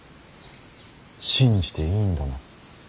信じていいんだな。